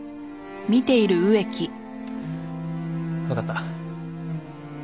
わかった。